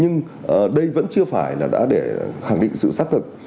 nhưng đây vẫn chưa phải là đã để khẳng định sự xác thực